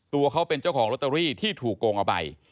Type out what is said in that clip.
ตัวเขาเป็นเจ้าของลอตเตอรี่ที่ถูกโกงเอาไป